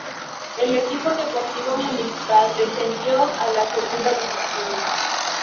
El equipo Deportivo Municipal descendió a la Segunda División.